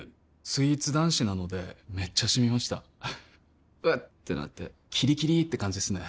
スイーツ男子なのでめっちゃシミました「うっ」ってなってキリキリって感じですね